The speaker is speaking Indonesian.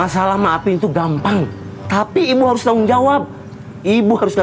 sampai jumpa di video selanjutnya